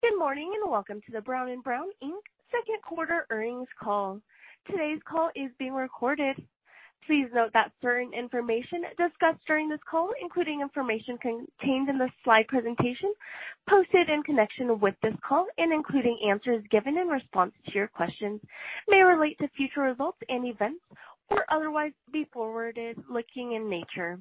Good morning, and welcome to the Brown & Brown, Inc. Second Quarter Earnings Call. Today's call is being recorded. Please note that certain information discussed during this call, including information contained in the slide presentation posted in connection with this call and including answers given in response to your questions, may relate to future results and events or otherwise be forward-looking in nature.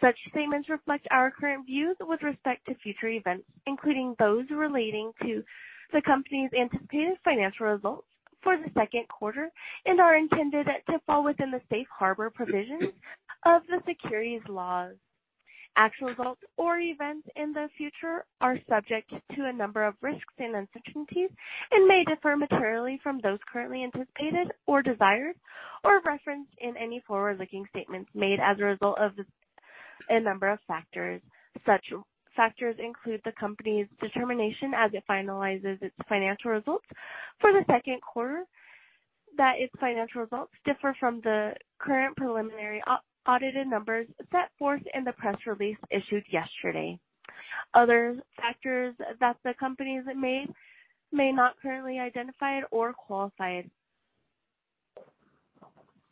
Such statements reflect our current views with respect to future events, including those relating to the company's anticipated financial results for the second quarter, and are intended to fall within the safe harbor provisions of the securities laws. Actual results or events in the future are subject to a number of risks and uncertainties and may differ materially from those currently anticipated or desired or referenced in any forward-looking statements made as a result of a number of factors. Such factors include the company's determination as it finalizes its financial results for the second quarter that its financial results differ from the current preliminary unaudited numbers set forth in the press release issued yesterday. Other factors that the company may not currently identify or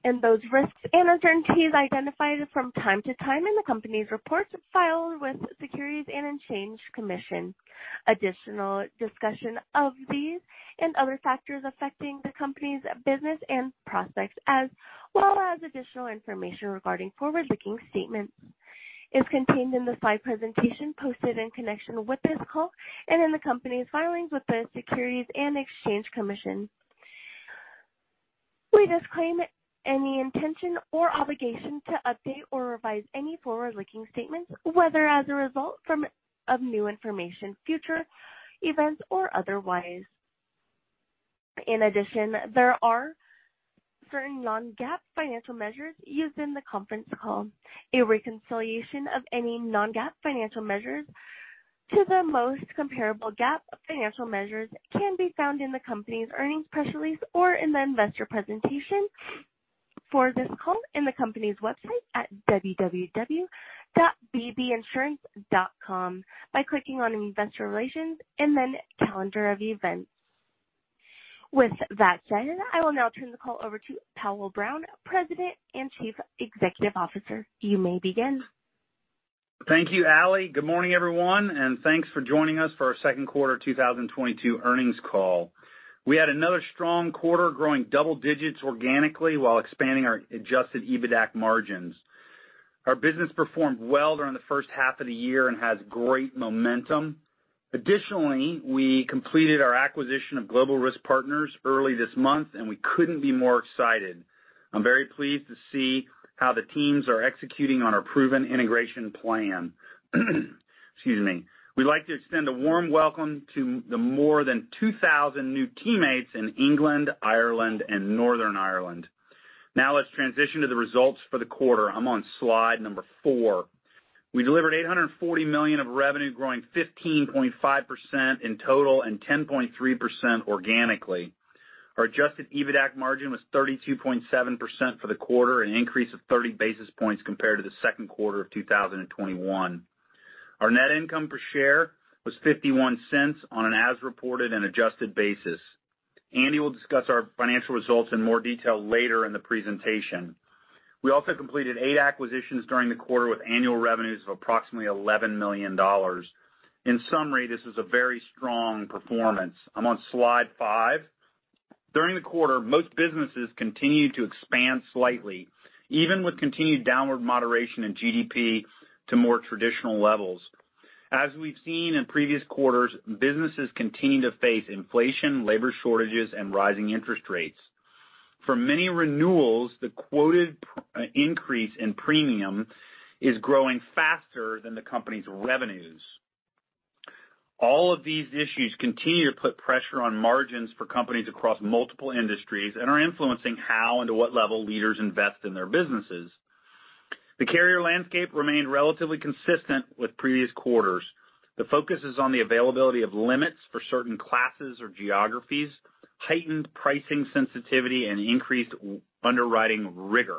quantify. Those risks and uncertainties identified from time to time in the company's reports filed with the Securities and Exchange Commission. Additional discussion of these and other factors affecting the company's business and prospects, as well as additional information regarding forward-looking statements, is contained in the slide presentation posted in connection with this call and in the company's filings with the Securities and Exchange Commission. We disclaim any intention or obligation to update or revise any forward-looking statements, whether as a result of new information, future events, or otherwise. In addition, there are certain non-GAAP financial measures used in the conference call. A reconciliation of any non-GAAP financial measures to the most comparable GAAP financial measures can be found in the company's earnings press release or in the investor presentation for this call in the company's website at www.bbinsurance.com by clicking on Investor Relations and then Calendar of Events. With that said, I will now turn the call over to Powell Brown, President and Chief Executive Officer. You may begin. Thank you, Allie. Good morning, everyone, and thanks for joining us for our second quarter 2022 earnings call. We had another strong quarter growing double digits organically while expanding our adjusted EBITDA margins. Our business performed well during the first half of the year and has great momentum. Additionally, we completed our acquisition of Global Risk Partners early this month, and we couldn't be more excited. I'm very pleased to see how the teams are executing on our proven integration plan. Excuse me. We'd like to extend a warm welcome to the more than 2,000 new teammates in England, Ireland, and Northern Ireland. Now let's transition to the results for the quarter. I'm on slide number four. We delivered $840 million of revenue, growing 15.5% in total and 10.3% organically. Our adjusted EBITDA margin was 32.7% for the quarter, an increase of 30 basis points compared to the second quarter of 2021. Our net income per share was $0.51 on an as-reported and adjusted basis. Andy will discuss our financial results in more detail later in the presentation. We also completed eight acquisitions during the quarter with annual revenues of approximately $11 million. In summary, this is a very strong performance. I'm on slide five. During the quarter, most businesses continued to expand slightly, even with continued downward moderation in GDP to more traditional levels. As we've seen in previous quarters, businesses continue to face inflation, labor shortages, and rising interest rates. For many renewals, the quoted increase in premium is growing faster than the company's revenues. All of these issues continue to put pressure on margins for companies across multiple industries and are influencing how and to what level leaders invest in their businesses. The carrier landscape remained relatively consistent with previous quarters. The focus is on the availability of limits for certain classes or geographies, heightened pricing sensitivity, and increased underwriting rigor.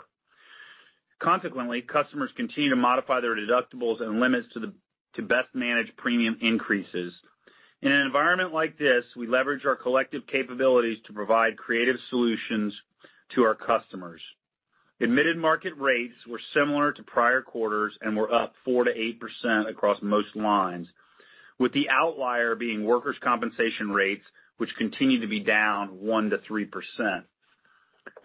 Consequently, customers continue to modify their deductibles and limits to best manage premium increases. In an environment like this, we leverage our collective capabilities to provide creative solutions to our customers. Admitted market rates were similar to prior quarters and were up 4%-8% across most lines, with the outlier being workers' compensation rates, which continue to be down 1%-3%.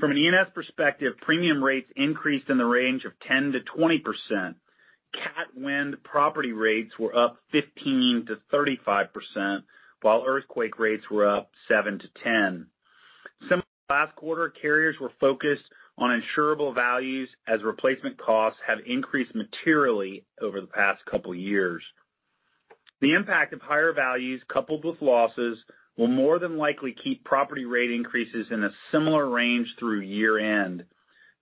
From an E&S perspective, premium rates increased in the range of 10%-20%. Cat wind property rates were up 15%-35%, while earthquake rates were up 7%-10%. Similar to last quarter, carriers were focused on insurable values as replacement costs have increased materially over the past couple years. The impact of higher values coupled with losses will more than likely keep property rate increases in a similar range through year-end.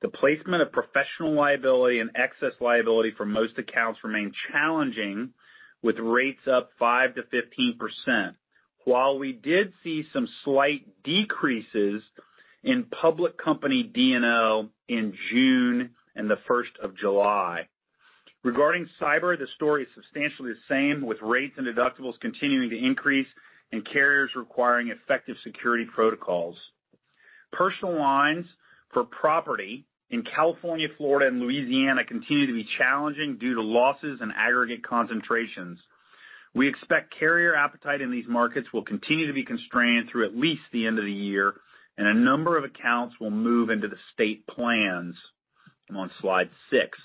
The placement of professional liability and excess liability for most accounts remain challenging, with rates up 5%-15%. While we did see some slight decreases in public company D&O in June and the first of July. Regarding cyber, the story is substantially the same, with rates and deductibles continuing to increase and carriers requiring effective security protocols. Personal lines for property in California, Florida, and Louisiana continue to be challenging due to losses and aggregate concentrations. We expect carrier appetite in these markets will continue to be constrained through at least the end of the year, and a number of accounts will move into the state plans. I'm on slide six.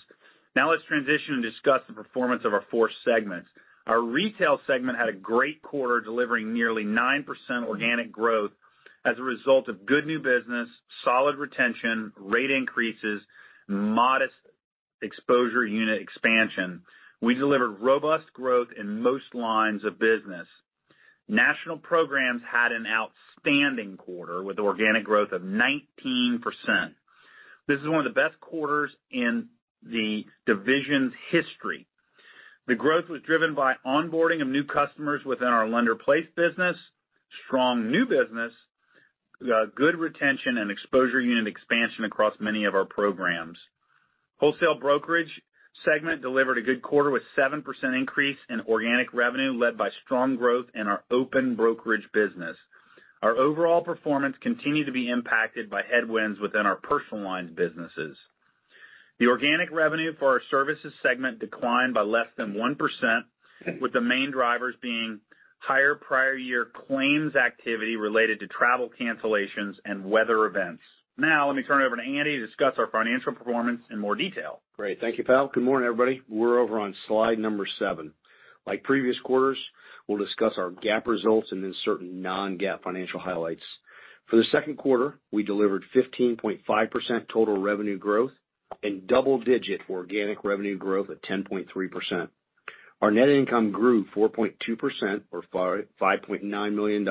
Now let's transition and discuss the performance of our four segments. Our retail segment had a great quarter, delivering nearly 9% organic growth as a result of good new business, solid retention, rate increases, modest exposure unit expansion. We delivered robust growth in most lines of business. National programs had an outstanding quarter with organic growth of 19%. This is one of the best quarters in the division's history. The growth was driven by onboarding of new customers within our lender-placed business, strong new business, good retention, and exposure unit expansion across many of our programs. Wholesale brokerage segment delivered a good quarter with 7% increase in organic revenue, led by strong growth in our open brokerage business. Our overall performance continued to be impacted by headwinds within our personal lines businesses. The organic revenue for our services segment declined by less than 1%, with the main drivers being higher prior year claims activity related to travel cancellations and weather events. Now let me turn it over to Andy to discuss our financial performance in more detail. Great. Thank you, Powell. Good morning, everybody. We're over on slide seven. Like previous quarters, we'll discuss our GAAP results and then certain non-GAAP financial highlights. For the second quarter, we delivered 15.5% total revenue growth and double-digit organic revenue growth at 10.3%. Our net income grew 4.2% or $5.9 million,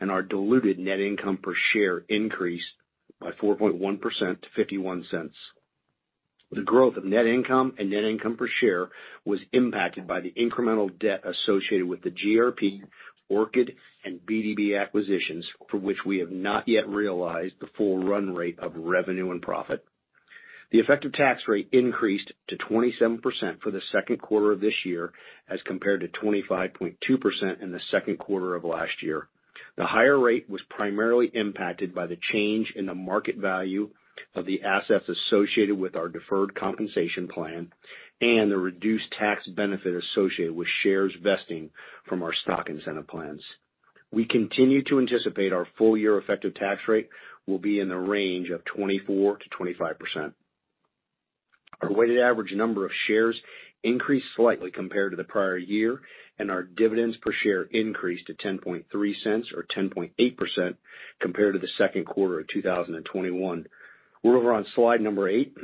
and our diluted net income per share increased by 4.1% to $0.51. The growth of net income and net income per share was impacted by the incremental debt associated with the GRP, Orchid, and BDB acquisitions, for which we have not yet realized the full run rate of revenue and profit. The effective tax rate increased to 27% for the second quarter of this year as compared to 25.2% in the second quarter of last year. The higher rate was primarily impacted by the change in the market value of the assets associated with our deferred compensation plan and the reduced tax benefit associated with shares vesting from our stock incentive plans. We continue to anticipate our full year effective tax rate will be in the range of 24%-25%. Our weighted average number of shares increased slightly compared to the prior year, and our dividends per share increased to $0.103 or 10.8% compared to the second quarter of 2021. We're over on slide eight.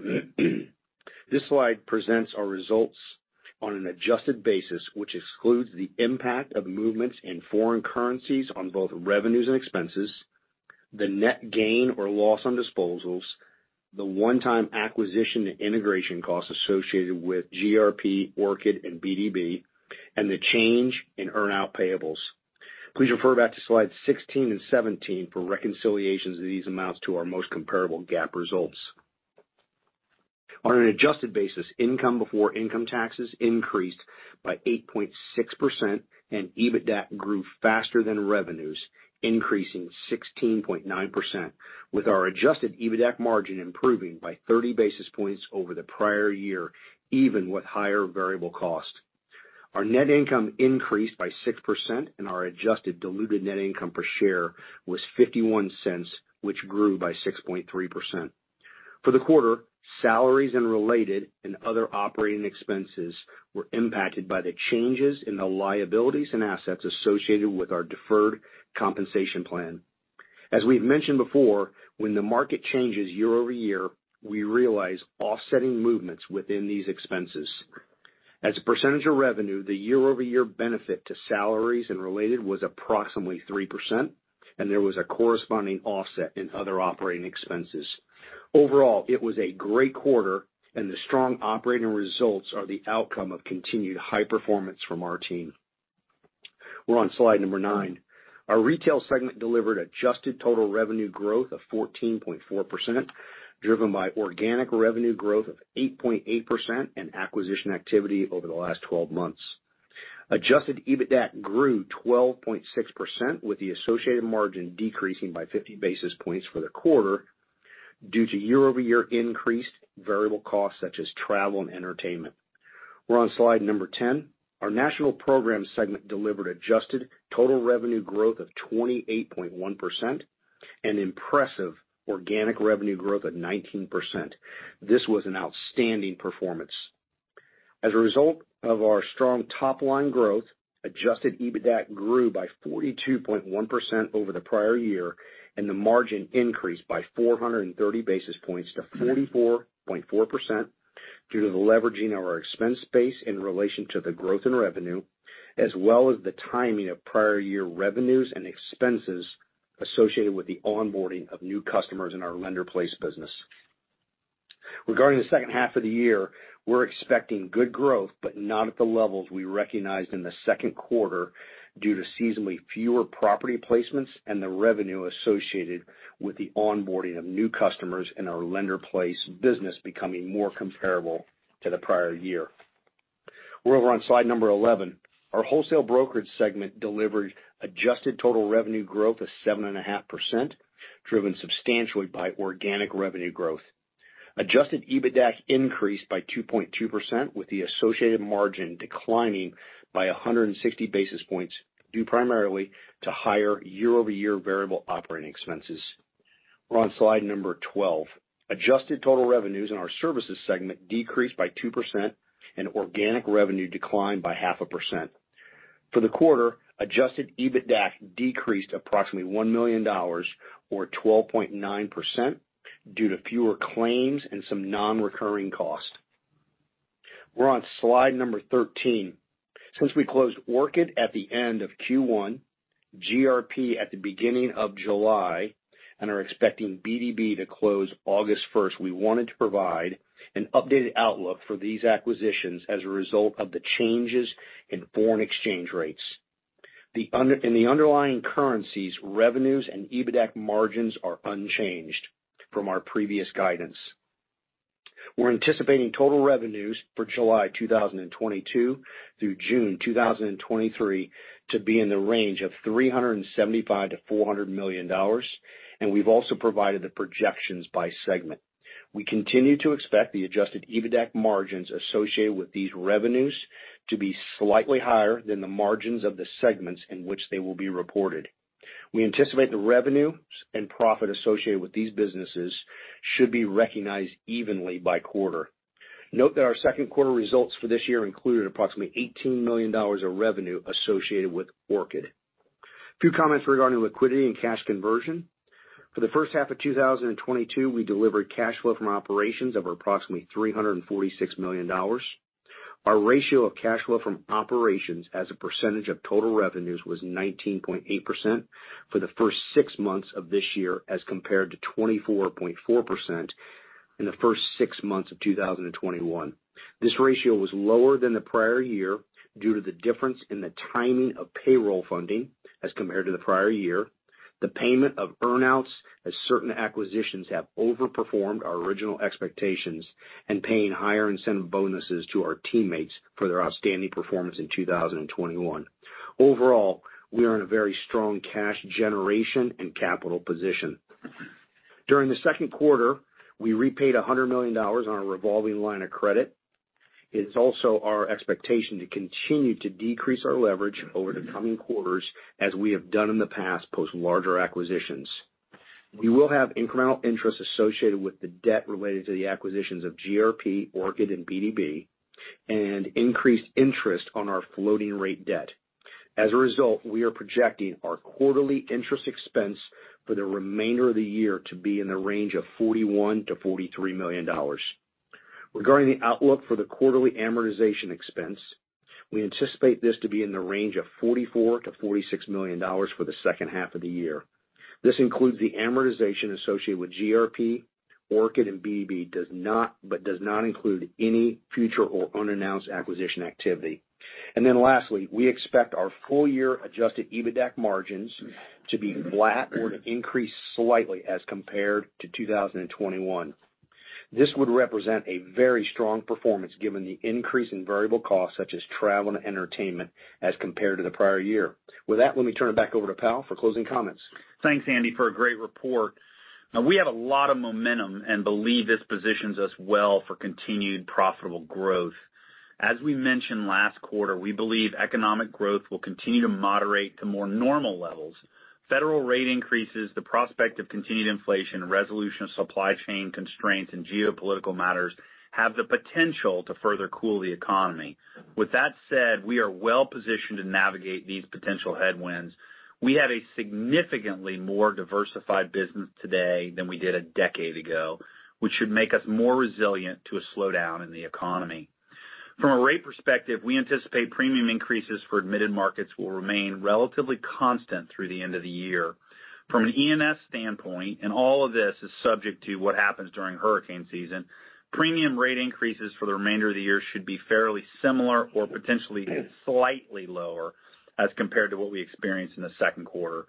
This slide presents our results on an adjusted basis, which excludes the impact of movements in foreign currencies on both revenues and expenses, the net gain or loss on disposals, the one-time acquisition and integration costs associated with GRP, Orchid, and BDB, and the change in earn-out payables. Please refer back to slides 16 and 17 for reconciliations of these amounts to our most comparable GAAP results. On an adjusted basis, income before income taxes increased by 8.6%, and EBITDA grew faster than revenues, increasing 16.9%, with our adjusted EBITDA margin improving by 30 basis points over the prior year even with higher variable cost. Our net income increased by 6%, and our adjusted diluted net income per share was $0.51, which grew by 6.3%. For the quarter, salaries and related and other operating expenses were impacted by the changes in the liabilities and assets associated with our deferred compensation plan. As we've mentioned before, when the market changes year over year, we realize offsetting movements within these expenses. As a percentage of revenue, the year-over-year benefit to salaries and related was approximately 3%, and there was a corresponding offset in other operating expenses. Overall, it was a great quarter, and the strong operating results are the outcome of continued high performance from our team. We're on slide number nine. Our retail segment delivered adjusted total revenue growth of 14.4%, driven by organic revenue growth of 8.8% and acquisition activity over the last 12 months. Adjusted EBITDA grew 12.6%, with the associated margin decreasing by 50 basis points for the quarter due to year-over-year increased variable costs such as travel and entertainment. We're on slide number 10. Our national program segment delivered adjusted total revenue growth of 28.1% and impressive organic revenue growth of 19%. This was an outstanding performance. As a result of our strong top-line growth, adjusted EBITDA grew by 42.1% over the prior year, and the margin increased by 430 basis points to 44.4% due to the leveraging of our expense base in relation to the growth in revenue, as well as the timing of prior year revenues and expenses associated with the onboarding of new customers in our lender-placed business. Regarding the second half of the year, we're expecting good growth, but not at the levels we recognized in the second quarter due to seasonally fewer property placements and the revenue associated with the onboarding of new customers and our lender-placed business becoming more comparable to the prior year. We're over on slide 11. Our wholesale brokerage segment delivered adjusted total revenue growth of 7.5%, driven substantially by organic revenue growth. Adjusted EBITDA increased by 2.2%, with the associated margin declining by 160 basis points, due primarily to higher year-over-year variable operating expenses. We're on slide 12. Adjusted total revenues in our services segment decreased by 2% and organic revenue declined by 0.5%. For the quarter, adjusted EBITDA decreased approximately $1 million or 12.9% due to fewer claims and some non-recurring costs. We're on slide 13. Since we closed Orchid at the end of Q1, GRP at the beginning of July, and are expecting BDB to close August first, we wanted to provide an updated outlook for these acquisitions as a result of the changes in foreign exchange rates. In the underlying currencies, revenues and EBITDA margins are unchanged from our previous guidance. We're anticipating total revenues for July 2022 through June 2023 to be in the range of $375 million-$400 million, and we've also provided the projections by segment. We continue to expect the adjusted EBITDA margins associated with these revenues to be slightly higher than the margins of the segments in which they will be reported. We anticipate the revenues and profit associated with these businesses should be recognized evenly by quarter. Note that our second quarter results for this year included approximately $18 million of revenue associated with Orchid. A few comments regarding liquidity and cash conversion. For the first half of 2022, we delivered cash flow from operations of approximately $346 million. Our ratio of cash flow from operations as a percentage of total revenues was 19.8% for the first six months of this year as compared to 24.4% in the first six months of 2021. This ratio was lower than the prior year due to the difference in the timing of payroll funding as compared to the prior year, the payment of earn-outs as certain acquisitions have overperformed our original expectations, and paying higher incentive bonuses to our teammates for their outstanding performance in 2021. Overall, we are in a very strong cash generation and capital position. During the second quarter, we repaid $100 million on our revolving line of credit. It's also our expectation to continue to decrease our leverage over the coming quarters as we have done in the past post-larger acquisitions. We will have incremental interest associated with the debt related to the acquisitions of GRP, Orchid, and BDB, and increased interest on our floating rate debt. As a result, we are projecting our quarterly interest expense for the remainder of the year to be in the range of $41 million-$43 million. Regarding the outlook for the quarterly amortization expense, we anticipate this to be in the range of $44 million-$46 million for the second half of the year. This includes the amortization associated with GRP, Orchid, and BDB, but does not include any future or unannounced acquisition activity. Lastly, we expect our full year adjusted EBITDA margins to be flat or to increase slightly as compared to 2021. This would represent a very strong performance given the increase in variable costs such as travel and entertainment as compared to the prior year. With that, let me turn it back over to Powell Brown for closing comments. Thanks, Andy, for a great report. Now, we have a lot of momentum and believe this positions us well for continued profitable growth. As we mentioned last quarter, we believe economic growth will continue to moderate to more normal levels. Federal rate increases, the prospect of continued inflation, resolution of supply chain constraints, and geopolitical matters have the potential to further cool the economy. With that said, we are well positioned to navigate these potential headwinds. We have a significantly more diversified business today than we did a decade ago, which should make us more resilient to a slowdown in the economy. From a rate perspective, we anticipate premium increases for admitted markets will remain relatively constant through the end of the year. From an E&S standpoint, all of this is subject to what happens during hurricane season. Premium rate increases for the remainder of the year should be fairly similar or potentially slightly lower as compared to what we experienced in the second quarter.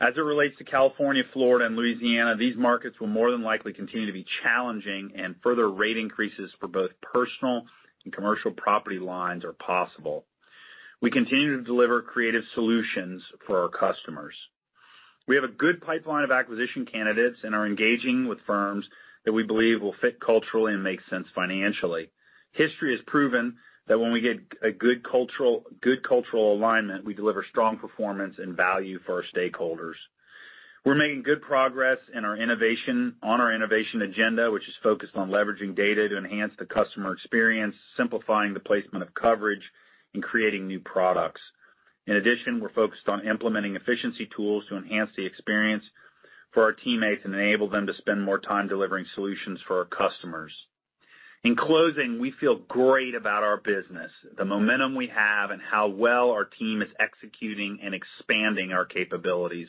As it relates to California, Florida, and Louisiana, these markets will more than likely continue to be challenging and further rate increases for both personal and commercial property lines are possible. We continue to deliver creative solutions for our customers. We have a good pipeline of acquisition candidates and are engaging with firms that we believe will fit culturally and make sense financially. History has proven that when we get a good cultural alignment, we deliver strong performance and value for our stakeholders. We're making good progress in our innovation on our innovation agenda, which is focused on leveraging data to enhance the customer experience, simplifying the placement of coverage, and creating new products. In addition, we're focused on implementing efficiency tools to enhance the experience for our teammates and enable them to spend more time delivering solutions for our customers. In closing, we feel great about our business, the momentum we have, and how well our team is executing and expanding our capabilities.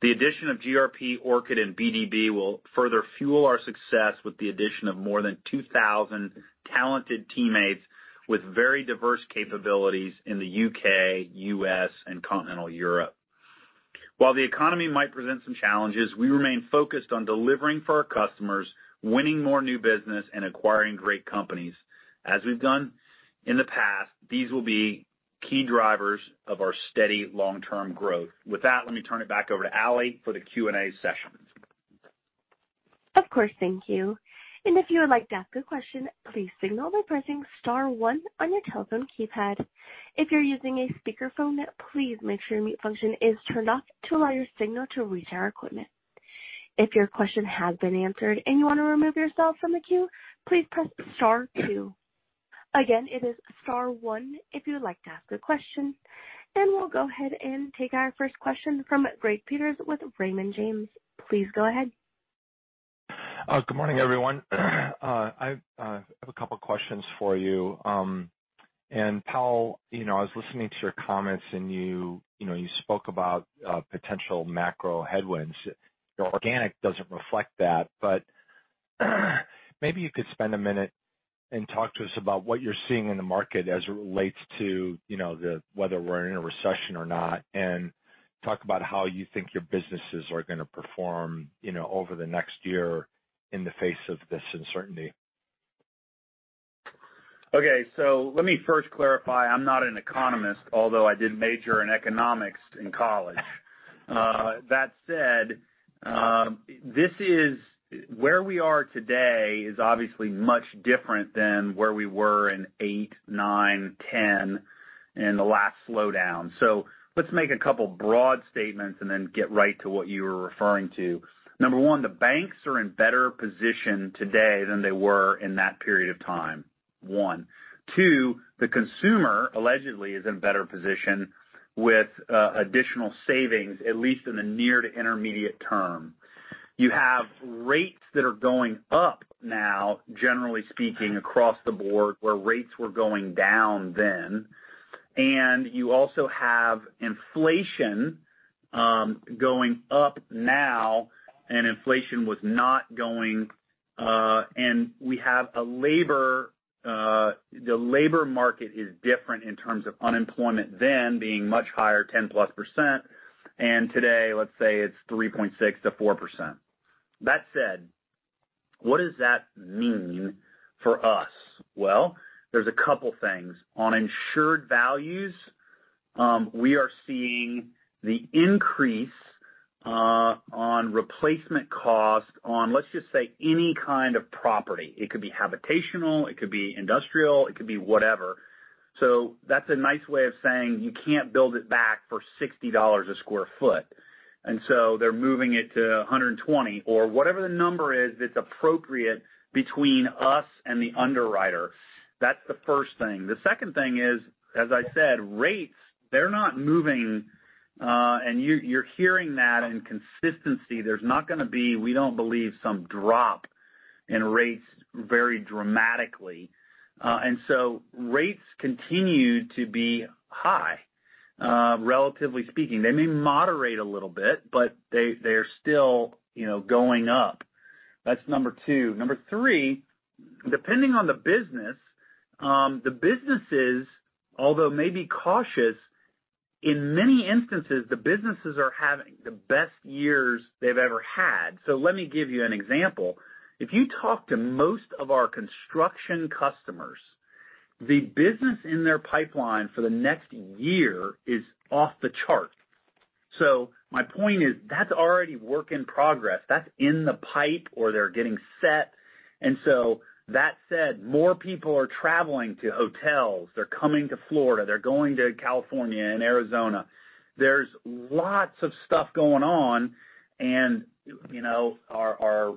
The addition of GRP, Orchid, and BDB will further fuel our success with the addition of more than 2,000 talented teammates with very diverse capabilities in the U.K., U.S., and continental Europe. While the economy might present some challenges, we remain focused on delivering for our customers, winning more new business, and acquiring great companies. As we've done in the past, these will be key drivers of our steady long-term growth. With that, let me turn it back over to Allie for the Q&A session. Of course. Thank you. If you would like to ask a question, please signal by pressing star one on your telephone keypad. If you're using a speakerphone, please make sure your mute function is turned off to allow your signal to reach our equipment. If your question has been answered and you want to remove yourself from the queue, please press star two. Again, it is star one if you would like to ask a question. We'll go ahead and take our first question from Greg Peters with Raymond James. Please go ahead. Good morning, everyone. I have a couple questions for you. Powell, you know, I was listening to your comments and you know you spoke about potential macro headwinds. Your organic doesn't reflect that, but maybe you could spend a minute and talk to us about what you're seeing in the market as it relates to you know whether we're in a recession or not, and talk about how you think your businesses are gonna perform you know over the next year in the face of this uncertainty. Okay. Let me first clarify, I'm not an economist, although I did major in economics in college. That said, where we are today is obviously much different than where we were in 2008, 2009, 2010 in the last slowdown. Let's make a couple broad statements and then get right to what you were referring to. Number one, the banks are in better position today than they were in that period of time, one. Two, the consumer allegedly is in better position with additional savings, at least in the near to intermediate term. You have rates that are going up now, generally speaking, across the board, where rates were going down then. You also have inflation going up now, and inflation was not going, and we have a labor, the labor market is different in terms of unemployment then being much higher, 10%+. Today, let's say it's 3.6%-4%. That said, what does that mean for us? Well, there's a couple things. On insured values, we are seeing the increase on replacement cost on, let's just say, any kind of property. It could be habitational, it could be industrial, it could be whatever. That's a nice way of saying you can't build it back for $60/sq ft. They're moving it to $120 or whatever the number is that's appropriate between us and the underwriter. That's the first thing. The second thing is, as I said, rates, they're not moving, and you're hearing that in consistency. There's not gonna be, we don't believe, some drop in rates very dramatically. Rates continue to be high, relatively speaking. They may moderate a little bit, but they're still, you know, going up. That's number two. Number three, depending on the business, the businesses, although may be cautious, in many instances, the businesses are having the best years they've ever had. Let me give you an example. If you talk to most of our construction customers, the business in their pipeline for the next year is off the chart. My point is that's already work in progress. That's in the pipe or they're getting set. That said, more people are traveling to hotels. They're coming to Florida. They're going to California and Arizona. There's lots of stuff going on and, you know, our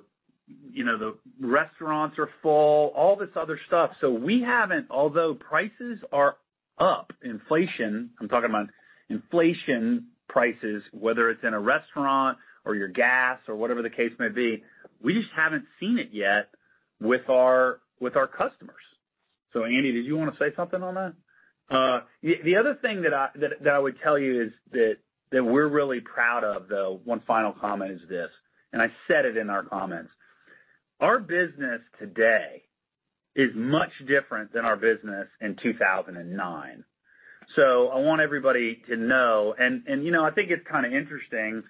you know, the restaurants are full, all this other stuff. We haven't although prices are up, inflation, I'm talking about inflation prices, whether it's in a restaurant or your gas or whatever the case may be, we just haven't seen it yet with our customers. Andy, did you want to say something on that? The other thing that I would tell you is that we're really proud of, though, one final comment is this, and I said it in our comments. Our business today is much different than our business in 2009. I want everybody to know, and you know, I think it's kinda interesting.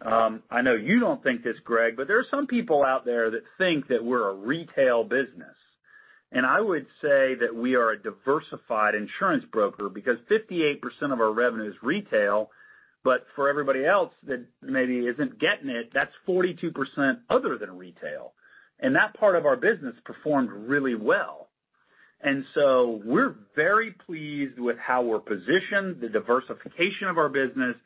I know you don't think this, Greg, but there are some people out there that think that we're a retail business. I would say that we are a diversified insurance broker because 58% of our revenue is retail, but for everybody else that maybe isn't getting it, that's 42% other than retail. That part of our business performed really well. We're very pleased with how we're positioned, the diversification of our business.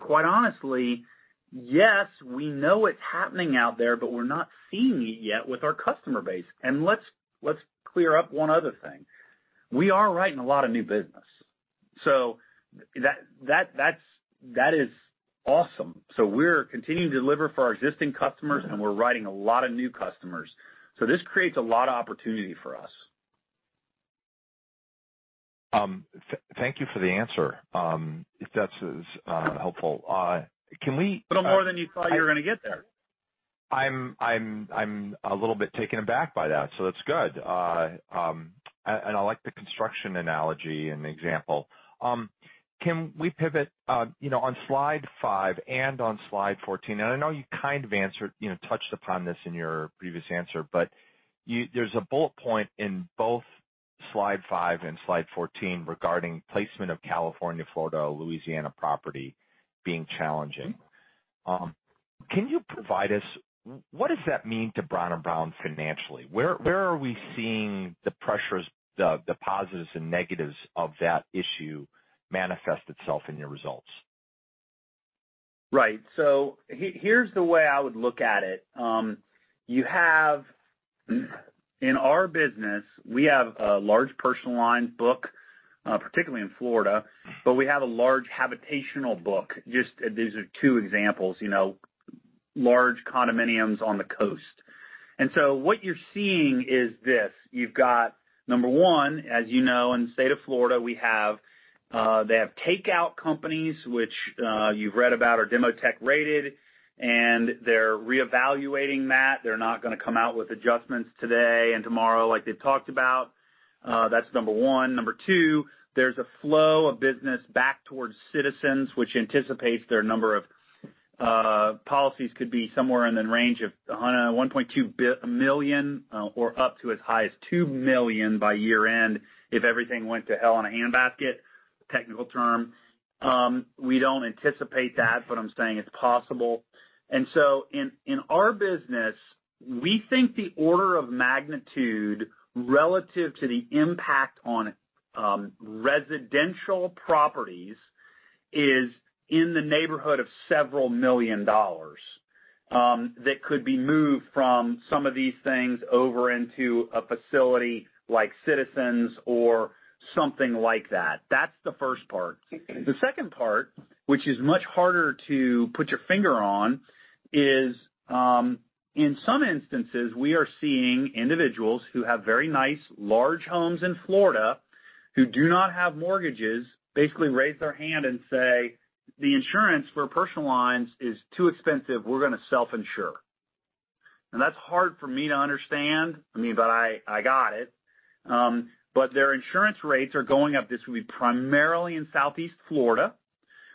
Quite honestly, yes, we know it's happening out there, but we're not seeing it yet with our customer base. Let's clear up one other thing. We are writing a lot of new business. That is awesome. We're continuing to deliver for our existing customers, and we're writing a lot of new customers. This creates a lot of opportunity for us. Thank you for the answer. If that's as helpful. Can we Little more than you thought you were gonna get there. I'm a little bit taken aback by that, so that's good. I like the construction analogy and example. Can we pivot, you know, on slide five and on slide 14, and I know you kind of answered, you know, touched upon this in your previous answer, but there's a bullet point in both slide five and slide 14 regarding placement of California, Florida, Louisiana property being challenging. Can you provide us? What does that mean to Brown & Brown financially? Where are we seeing the pressures, the positives and negatives of that issue manifest itself in your results? Right. Here's the way I would look at it. You have. In our business, we have a large personal line book, particularly in Florida, but we have a large habitational book. Just these are two examples, you know, large condominiums on the coast. What you're seeing is this. You've got number one, as you know, in the state of Florida, we have, they have takeout companies, which, you've read about are Demotech rated, and they're reevaluating that. They're not gonna come out with adjustments today and tomorrow like they've talked about. That's number one. Number two, there's a flow of business back towards Citizens, which anticipates their number of policies could be somewhere in the range of, I don't know, 1.2 million or up to as high as 2 million by year-end if everything went to hell in a handbasket, technical term. We don't anticipate that, but I'm saying it's possible. In our business, we think the order of magnitude relative to the impact on residential properties is in the neighborhood of several million dollars that could be moved from some of these things over into a facility like Citizens or something like that. That's the first part. The second part, which is much harder to put your finger on, is, in some instances, we are seeing individuals who have very nice large homes in Florida who do not have mortgages, basically raise their hand and say, "The insurance for personal lines is too expensive. We're gonna self-insure." That's hard for me to understand. I mean, I got it. Their insurance rates are going up. This will be primarily in Southeast Florida.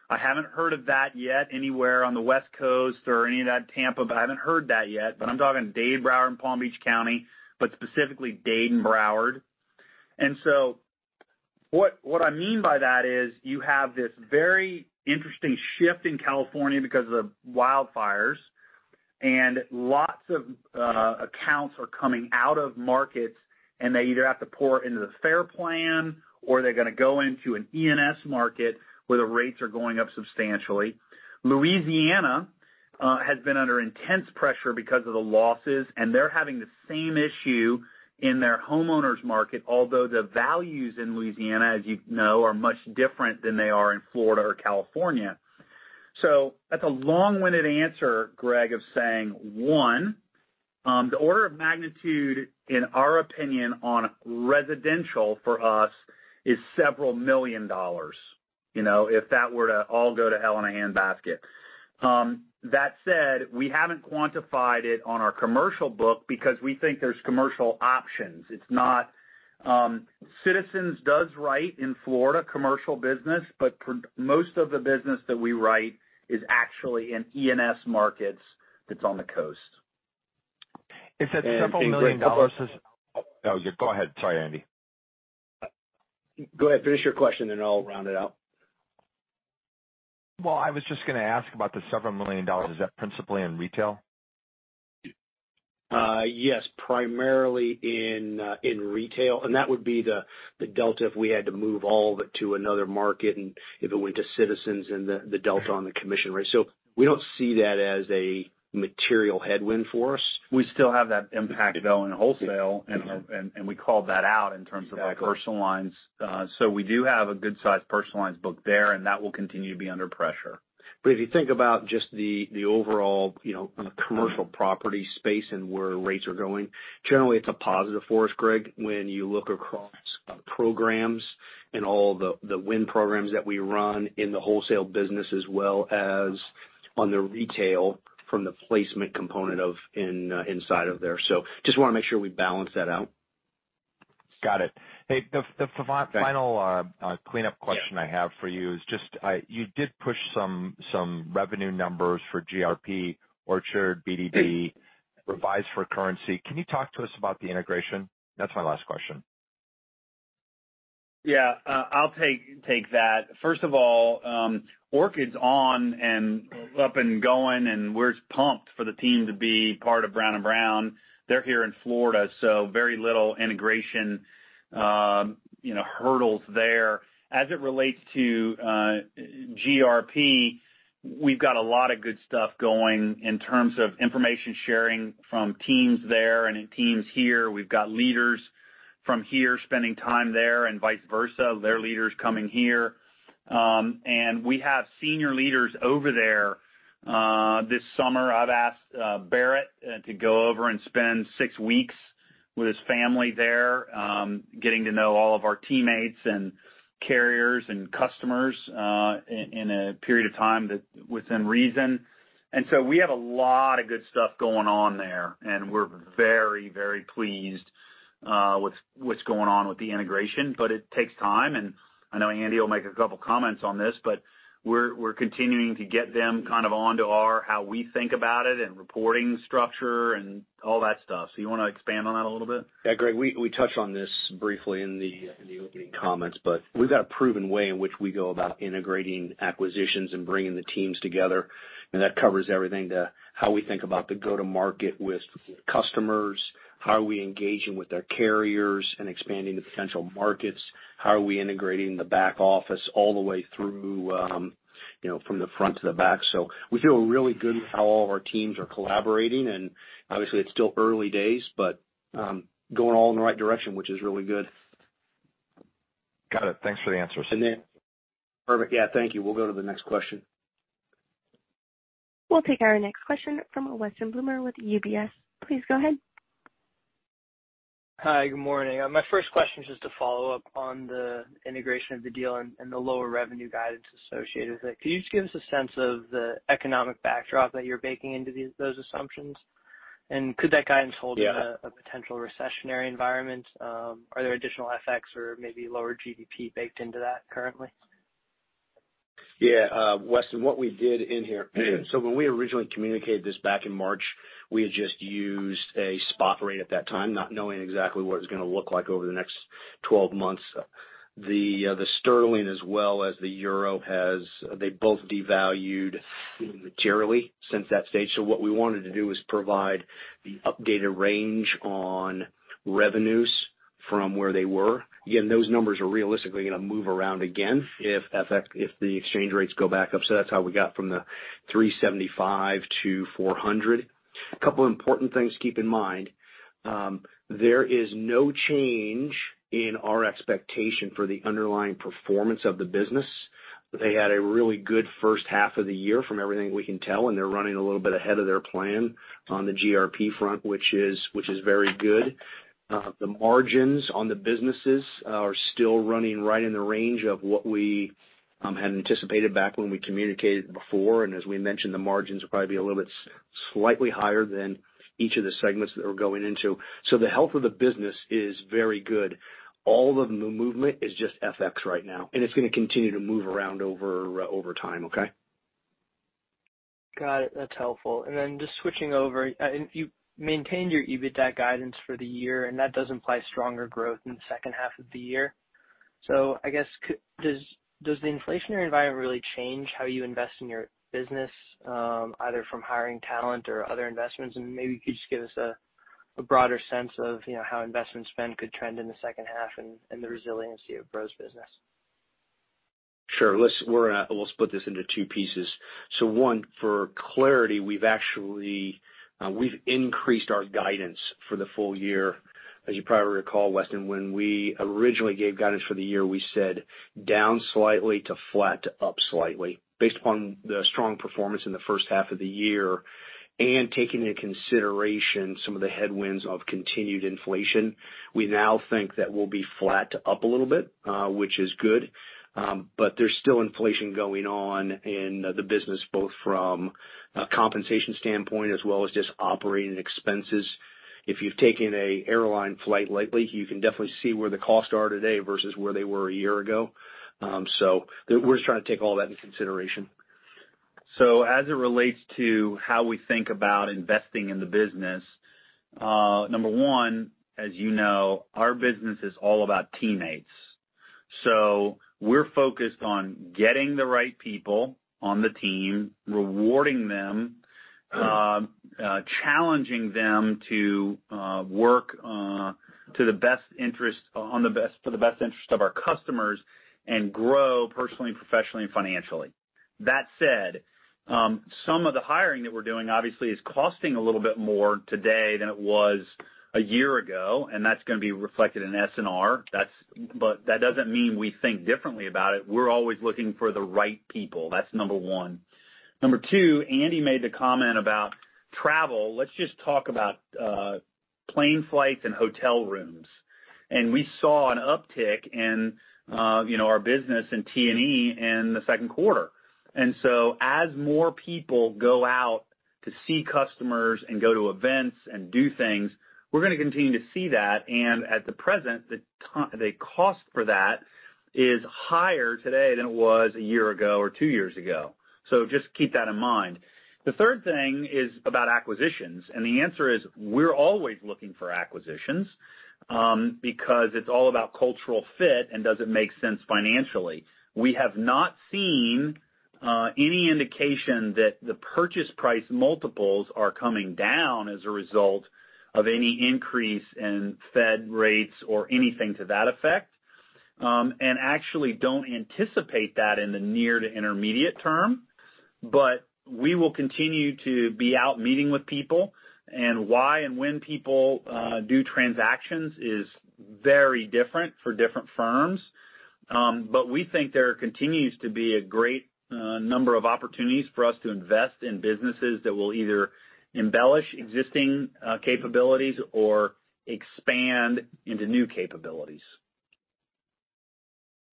I haven't heard of that yet anywhere on the West Coast or any of that Tampa, but I haven't heard that yet. I'm talking Dade, Broward, and Palm Beach County, but specifically Dade and Broward. What I mean by that is you have this very interesting shift in California because of the wildfires, and lots of accounts are coming out of markets, and they either have to pour into the FAIR Plan or they're gonna go into an E&S market where the rates are going up substantially. Louisiana has been under intense pressure because of the losses, and they're having the same issue in their homeowners market. Although the values in Louisiana, as you know, are much different than they are in Florida or California. That's a long-winded answer, Greg, of saying, one, the order of magnitude, in our opinion, on residential for us is several million dollars, you know, if that were to all go to hell in a handbasket. That said, we haven't quantified it on our commercial book because we think there's commercial options. It's not. Citizens does write in Florida commercial business, but for most of the business that we write is actually in E&S markets that's on the coast. If that several million dollar is. In great numbers. Oh, go ahead. Sorry, Andy. Go ahead. Finish your question, then I'll round it out. Well, I was just gonna ask about the several million dollars. Is that principally in retail? Yes, primarily in retail, and that would be the delta if we had to move all of it to another market and if it went to Citizens and the delta on the commission rate. We don't see that as a material headwind for us. We still have that impact, though, in wholesale. Yeah. We called that out in terms of. Exactly. Our personal lines. We do have a good-sized personal lines book there, and that will continue to be under pressure. If you think about just the overall, you know, on a commercial property space and where rates are going, generally it's a positive for us, Greg. When you look across programs and all the wind programs that we run in the wholesale business as well as on the retail from the placement component inside of there. Just wanna make sure we balance that out. Got it. Hey, the final cleanup question I have for you is just, You did push some revenue numbers for GRP, Orchid, BDB revised for currency. Can you talk to us about the integration? That's my last question. I'll take that. First of all, Orchid's up and running, and we're pumped for the team to be part of Brown & Brown. They're here in Florida, so very little integration, you know, hurdles there. As it relates to GRP, we've got a lot of good stuff going in terms of information sharing from teams there and teams here. We've got leaders from here spending time there and vice versa, their leaders coming here. We have senior leaders over there this summer. I've asked Barrett to go over and spend six weeks with his family there, getting to know all of our teammates and carriers and customers in a period of time that's within reason. We have a lot of good stuff going on there, and we're very, very pleased with what's going on with the integration. But it takes time, and I know Andy will make a couple comments on this, but we're continuing to get them kind of onto our, how we think about it and reporting structure and all that stuff. You wanna expand on that a little bit? Yeah, Greg, we touched on this briefly in the opening comments, but we've got a proven way in which we go about integrating acquisitions and bringing the teams together. That covers everything to how we think about the go-to-market with customers, how are we engaging with their carriers and expanding the potential markets, how are we integrating the back office all the way through, you know, from the front to the back. We feel really good how all of our teams are collaborating, and obviously it's still early days, but going all in the right direction, which is really good. Got it. Thanks for the answers. Perfect. Yeah, thank you. We'll go to the next question. We'll take our next question from Weston Bloomer with UBS. Please go ahead. Hi, good morning. My first question is just to follow up on the integration of the deal and the lower revenue guidance associated with it. Can you just give us a sense of the economic backdrop that you're baking into those assumptions? Could that guidance hold- Yeah in a potential recessionary environment? Are there additional FX or maybe lower GDP baked into that currently? Yeah, Weston, what we did in here, when we originally communicated this back in March, we had just used a spot rate at that time, not knowing exactly what it's gonna look like over the next 12 months. The sterling as well as the euro. They both devalued materially since that stage. What we wanted to do was provide the updated range on revenues from where they were. Again, those numbers are realistically gonna move around again if the exchange rates go back up. That's how we got from the $375 to $400. A couple important things to keep in mind. There is no change in our expectation for the underlying performance of the business. They had a really good first half of the year from everything we can tell, and they're running a little bit ahead of their plan on the GRP front, which is very good. The margins on the businesses are still running right in the range of what we had anticipated back when we communicated before. As we mentioned, the margins will probably be a little bit slightly higher than each of the segments that we're going into. The health of the business is very good. All of the movement is just FX right now, and it's gonna continue to move around over time, okay? Got it. That's helpful. Just switching over, and you maintained your EBITDA guidance for the year, and that does imply stronger growth in the second half of the year. I guess does the inflationary environment really change how you invest in your business, either from hiring talent or other investments? Maybe you could just give us a broader sense of, you know, how investment spend could trend in the second half and the resiliency of Brown's business. Sure. We'll split this into two pieces. One, for clarity, we've actually increased our guidance for the full year. As you probably recall, Weston, when we originally gave guidance for the year, we said down slightly to flat to up slightly. Based upon the strong performance in the first half of the year and taking into consideration some of the headwinds of continued inflation, we now think that we'll be flat to up a little bit, which is good. There's still inflation going on in the business, both from a compensation standpoint as well as just operating expenses. If you've taken an airline flight lately, you can definitely see where the costs are today versus where they were a year ago. We're just trying to take all that into consideration. As it relates to how we think about investing in the business, number one, as you know, our business is all about teammates. We're focused on getting the right people on the team, rewarding them, challenging them to work for the best interest of our customers and grow personally, professionally and financially. That said, some of the hiring that we're doing obviously is costing a little bit more today than it was a year ago, and that's gonna be reflected in S&R. But that doesn't mean we think differently about it. We're always looking for the right people. That's number one. Number two, Andy made the comment about travel. Let's just talk about plane flights and hotel rooms. We saw an uptick in, you know, our business in T&E in the second quarter. As more people go out to see customers and go to events and do things, we're gonna continue to see that. At the present, the cost for that is higher today than it was a year ago or two years ago. Just keep that in mind. The third thing is about acquisitions, and the answer is we're always looking for acquisitions, because it's all about cultural fit and does it make sense financially. We have not seen any indication that the purchase price multiples are coming down as a result of any increase in Fed rates or anything to that effect. Actually don't anticipate that in the near to intermediate term. We will continue to be out meeting with people and why and when people do transactions is very different for different firms. We think there continues to be a great number of opportunities for us to invest in businesses that will either embellish existing capabilities or expand into new capabilities.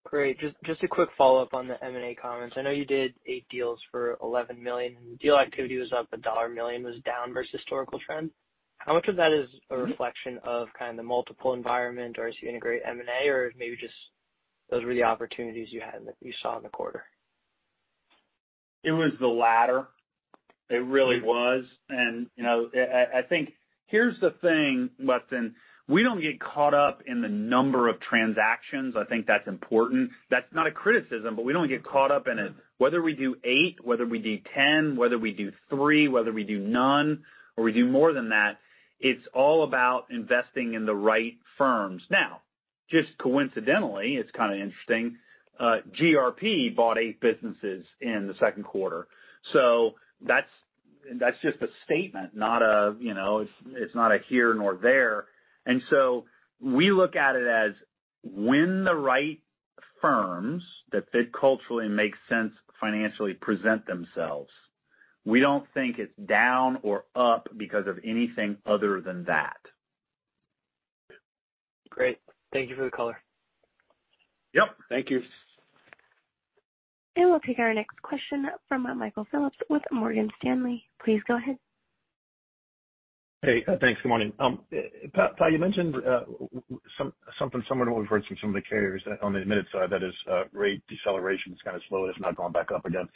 Great. Just a quick follow-up on the M&A comments. I know you did eight deals for $11 million. Deal activity was up, dollar volume was down versus historical trend. How much of that is a reflection of kind of the multiple environment or as you integrate M&A or maybe just those were the opportunities you had and that you saw in the quarter? It was the latter. It really was. You know, I think here's the thing, Weston. We don't get caught up in the number of transactions. I think that's important. That's not a criticism, but we don't get caught up in it. Whether we do eight, whether we do 10, whether we do three, whether we do none or we do more than that, it's all about investing in the right firms. Now, just coincidentally, it's kind of interesting, GRP bought eight businesses in the second quarter. That's just a statement, not, you know, it's not here nor there. We look at it as when the right firms that fit culturally and make sense financially present themselves, we don't think it's down or up because of anything other than that. Great. Thank you for the color. Yep, thank you. We'll take our next question from Michael Phillips with Morgan Stanley. Please go ahead. Hey, thanks. Good morning. Powell Brown, you mentioned something similar to what we've heard from some of the carriers on the admitted side. That is, rate deceleration. It's kind of slowed. It's not gone back up again.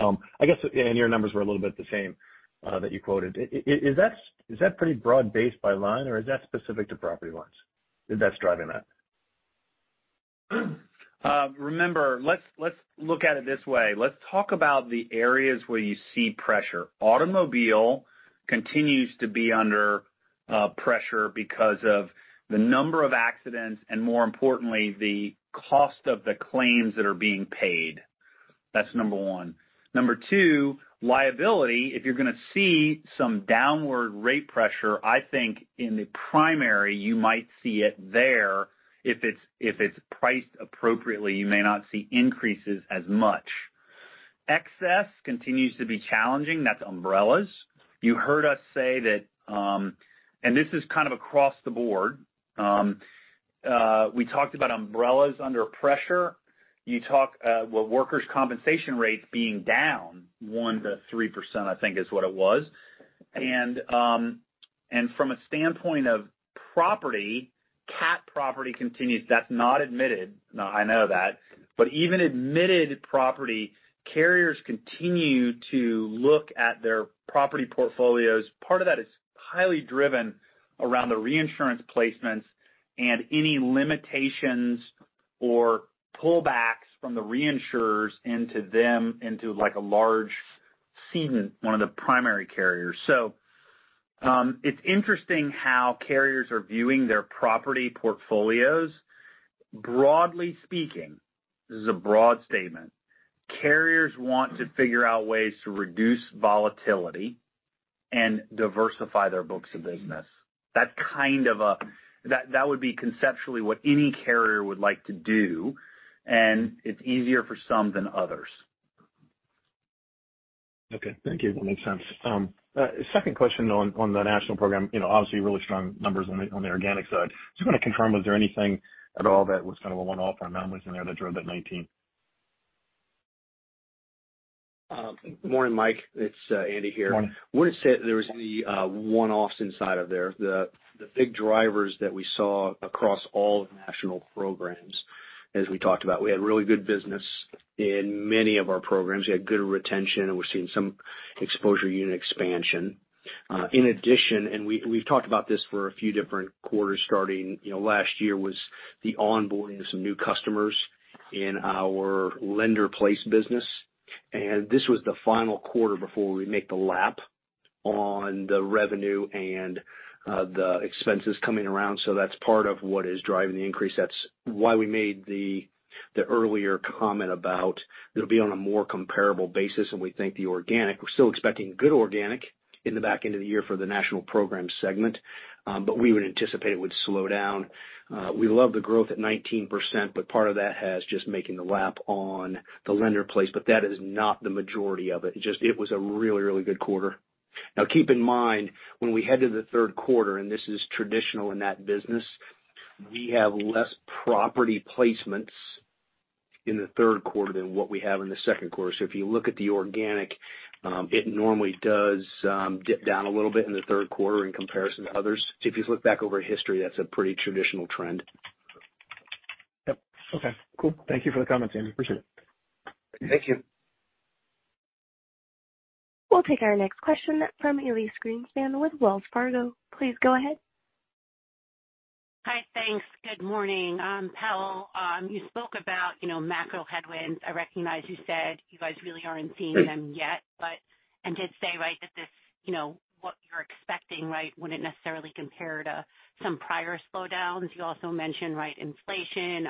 I guess and your numbers were a little bit the same that you quoted. Is that pretty broad-based by line or is that specific to property lines that's driving that? Remember, let's look at it this way. Let's talk about the areas where you see pressure. Automobile continues to be under pressure because of the number of accidents and more importantly, the cost of the claims that are being paid. That's number one. Number two, liability. If you're gonna see some downward rate pressure, I think in the primary you might see it there. If it's priced appropriately, you may not see increases as much. Excess continues to be challenging. That's umbrellas. You heard us say that, and this is kind of across the board. We talked about umbrellas under pressure. Workers' compensation rates being down 1%-3%, I think is what it was. From a standpoint of property, cat property continues. That's not admitted. Now I know that. Even admitted property carriers continue to look at their property portfolios. Part of that is highly driven around the reinsurance placements and any limitations or pullbacks from the reinsurers into them into like a large season, one of the primary carriers. It's interesting how carriers are viewing their property portfolios. Broadly speaking, this is a broad statement. Carriers want to figure out ways to reduce volatility and diversify their books of business. That's kind of a That would be conceptually what any carrier would like to do, and it's easier for some than others. Okay, thank you. That makes sense. Second question on the national program. You know, obviously really strong numbers on the organic side. Just want to confirm, was there anything at all that was kind of a one-off amount was in there that drove that 19%? Morning, Mike, it's Andy here. Morning. Wouldn't say there was any one-offs inside of there. The big drivers that we saw across all national programs as we talked about, we had really good business in many of our programs. We had good retention, and we're seeing some exposure unit expansion. In addition, we've talked about this for a few different quarters, starting you know, last year was the onboarding of some new customers in our lender-placed business. This was the final quarter before we make the lap on the revenue and the expenses coming around. That's part of what is driving the increase. That's why we made the earlier comment about it'll be on a more comparable basis. We think the organic, we're still expecting good organic in the back end of the year for the national program segment, but we would anticipate it would slow down. We love the growth at 19%, but part of that has just making the lap on the lender-placed. That is not the majority of it. Just it was a really, really good quarter. Now, keep in mind when we head to the third quarter, and this is traditional in that business, we have less property placements in the third quarter than what we have in the second quarter. If you look at the organic, it normally does dip down a little bit in the third quarter in comparison to others. If you look back over history, that's a pretty traditional trend. Yep. Okay, cool. Thank you for the comment, Andy. Appreciate it. Thank you. We'll take our next question from Elyse Greenspan with Wells Fargo. Please go ahead. Hi. Thanks. Good morning. Powell, you spoke about, you know, macro headwinds. I recognize you said you guys really aren't seeing them yet, but did say, right, that this, you know, right? Wouldn't necessarily compare to some prior slowdowns. You also mentioned, right, inflation,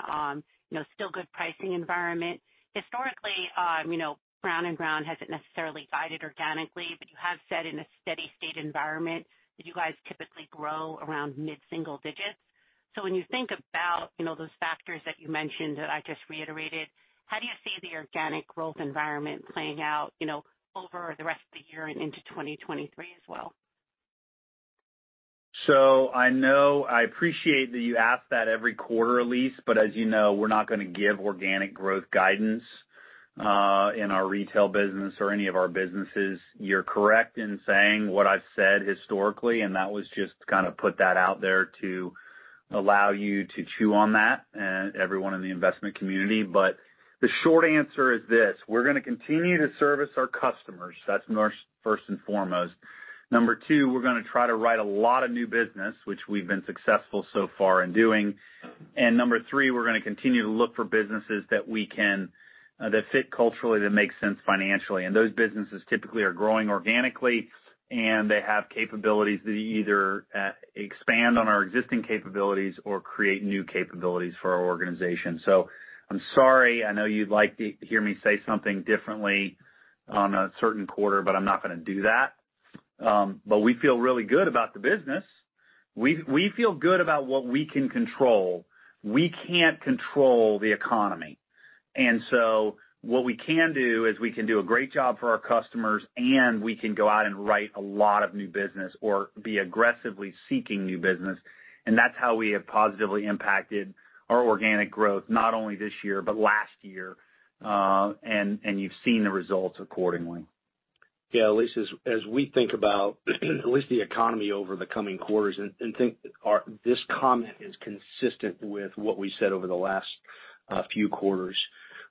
you know, still good pricing environment. Historically, you know, Brown & Brown hasn't necessarily guided organically, but you have said in a steady state environment that you guys typically grow around mid-single digits. When you think about, you know, those factors that you mentioned that I just reiterated, how do you see the organic growth environment playing out, you know, over the rest of the year and into 2023 as well? I know I appreciate that you ask that every quarter, Elyse, but as you know, we're not gonna give organic growth guidance in our retail business or any of our businesses. You're correct in saying what I've said historically, and that was just to kind of put that out there to allow you to chew on that and everyone in the investment community. The short answer is this, we're gonna continue to service our customers. That's our first and foremost. Number two, we're gonna try to write a lot of new business, which we've been successful so far in doing. Number three, we're gonna continue to look for businesses that we can that fit culturally, that make sense financially. And those businesses typically are growing organically, and they have capabilities that either expand on our existing capabilities or create new capabilities for our organization. I'm sorry, I know you'd like to hear me say something differently on a certain quarter, but I'm not gonna do that. We feel really good about the business. We feel good about what we can control. We can't control the economy. What we can do is we can do a great job for our customers, and we can go out and write a lot of new business or be aggressively seeking new business. That's how we have positively impacted our organic growth not only this year, but last year, and you've seen the results accordingly. Yeah, Elyse, as we think about at least the economy over the coming quarters and this comment is consistent with what we said over the last few quarters.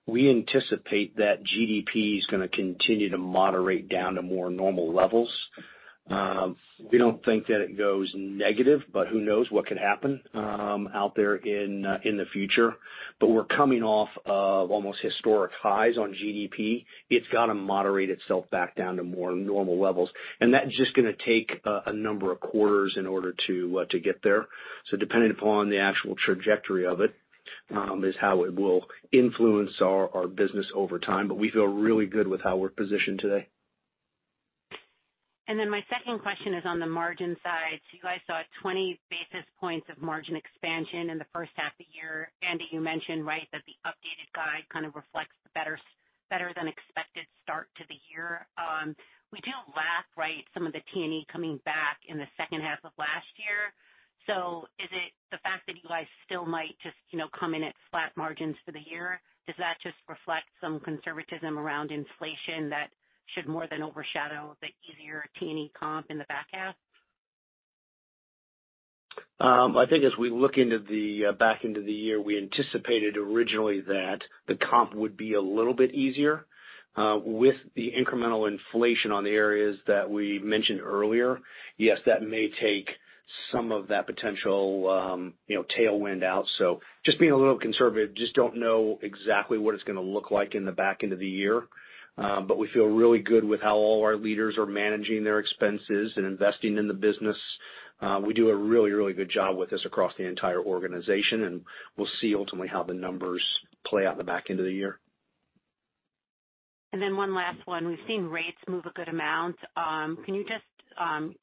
We anticipate that GDP is gonna continue to moderate down to more normal levels. We don't think that it goes negative, but who knows what could happen out there in the future. We're coming off of almost historic highs on GDP. It's got to moderate itself back down to more normal levels. That's just gonna take a number of quarters in order to get there. Depending upon the actual trajectory of it is how it will influence our business over time. We feel really good with how we're positioned today. My second question is on the margin side. You guys saw 20 basis points of margin expansion in the first half of the year. Andy, you mentioned, right, that the updated guide kind of reflects the better than expected start to the year. We do lap, right, some of the T&E coming back in the second half of last year. Is it the fact that you guys still might just, you know, come in at flat margins for the year? Does that just reflect some conservatism around inflation that should more than overshadow the easier T&E comp in the back half? I think as we look into the back end of the year, we anticipated originally that the comp would be a little bit easier with the incremental inflation on the areas that we mentioned earlier. Yes, that may take some of that potential, you know, tailwind out. Just being a little conservative, just don't know exactly what it's gonna look like in the back end of the year. We feel really good with how all our leaders are managing their expenses and investing in the business. We do a really, really good job with this across the entire organization, and we'll see ultimately how the numbers play out in the back end of the year. One last one. We've seen rates move a good amount. Can you just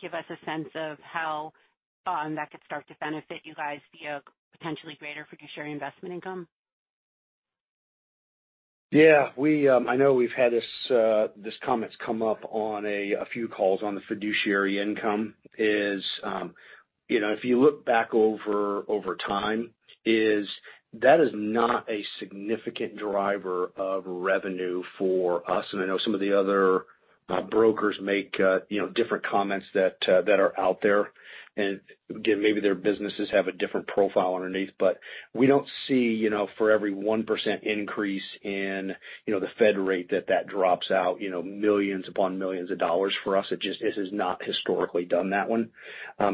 give us a sense of how that could start to benefit you guys via potentially greater fiduciary investment income? Yeah. I know we've had this comment come up on a few calls on the fiduciary income. You know, if you look back over time, it is not a significant driver of revenue for us. I know some of the other brokers make you know different comments that are out there. Again, maybe their businesses have a different profile underneath. We don't see you know for every 1% increase in you know the Fed rate that drops out you know millions upon millions of dollars for us. It just has not historically done that one.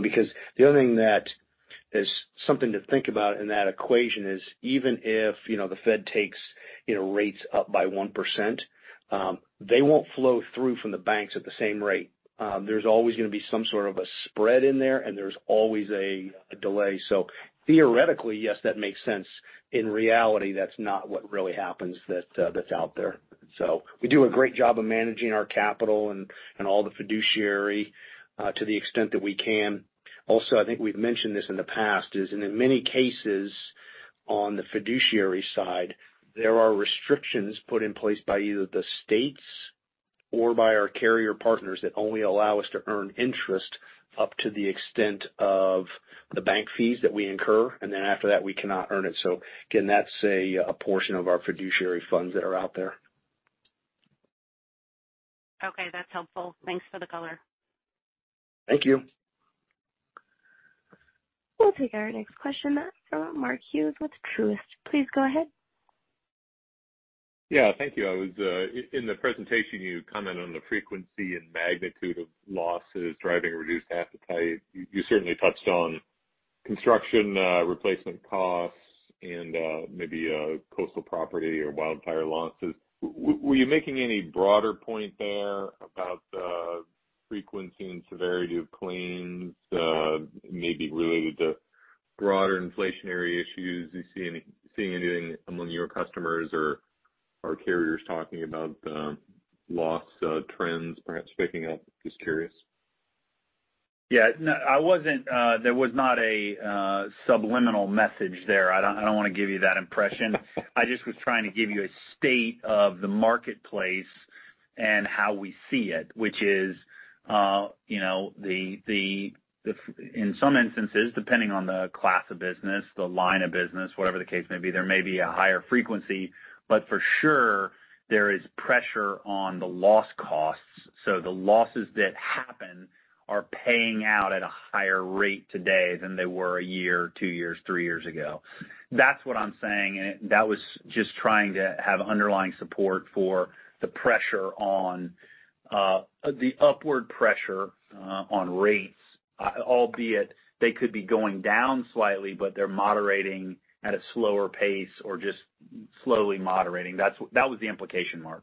Because the other thing that is something to think about in that equation is even if, you know, the Fed takes, you know, rates up by 1%, they won't flow through from the banks at the same rate. There's always gonna be some sort of a spread in there, and there's always a delay. So theoretically, yes, that makes sense. In reality, that's not what really happens, that's out there. So we do a great job of managing our capital and all the fiduciary to the extent that we can. Also, I think we've mentioned this in the past, is in many cases on the fiduciary side, there are restrictions put in place by either the states or by our carrier partners that only allow us to earn interest up to the extent of the bank fees that we incur, and then after that, we cannot earn it. Again, that's a portion of our fiduciary funds that are out there. Okay, that's helpful. Thanks for the color. Thank you. We'll take our next question from Mark Hughes with Truist. Please go ahead. Yeah. Thank you. I was in the presentation, you commented on the frequency and magnitude of losses driving reduced appetite. You certainly touched on construction, replacement costs and, maybe, coastal property or wildfire losses. Were you making any broader point there about the frequency and severity of claims, maybe related to broader inflationary issues? Are you seeing anything among your customers or our carriers talking about, loss trends perhaps picking up? Just curious. Yeah. No, there was not a subliminal message there. I don't wanna give you that impression. I just was trying to give you a state of the marketplace and how we see it, which is, you know, in some instances, depending on the class of business, the line of business, whatever the case may be, there may be a higher frequency. But for sure, there is pressure on the loss costs. So the losses that happen are paying out at a higher rate today than they were a year, two years, three years ago. That's what I'm saying. That was just trying to have underlying support for the pressure on the upward pressure on rates. Albeit they could be going down slightly, but they're moderating at a slower pace or just slowly moderating. That was the implication, Mark.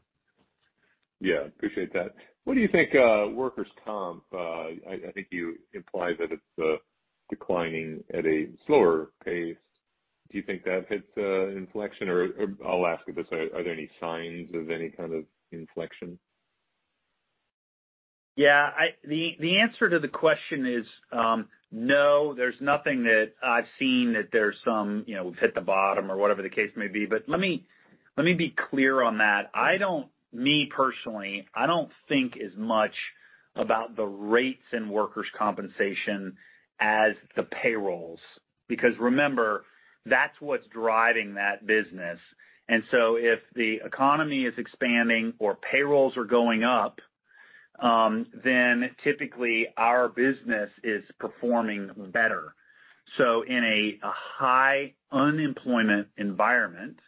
Yeah. Appreciate that. What do you think, workers' comp, I think you implied that it's declining at a slower pace. Do you think that hits a inflection or I'll ask it this, are there any signs of any kind of inflection? Yeah. The answer to the question is, no, there's nothing that I've seen that there's some, you know, we've hit the bottom or whatever the case may be. But let me be clear on that. Me, personally, I don't think as much about the rates in workers' compensation as the payrolls, because remember, that's what's driving that business. If the economy is expanding or payrolls are going up, then typically our business is performing better. In a high unemployment environment,